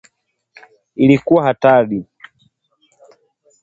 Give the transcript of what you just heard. Ilikuwa hatari!